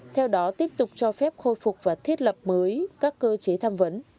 theo đó tiếp tục cho phép khôi phục và thiết lập mới các cơ chế tham vấn